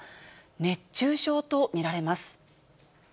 熱中症と見られます。